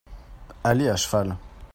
aller à cheval.